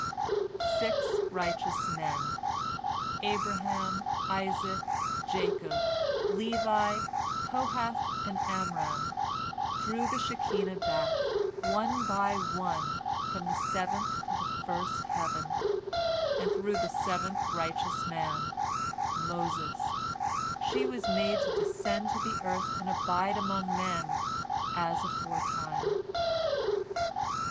Six righteous men, Abraham, Isaac, Jacob, Levi, Kohath, and Amram, drew the Shekinah back, one by one, from the seventh to the first heaven, and through the seventh righteous man, Moses, she was made to descend to the earth and abide among men as aforetime.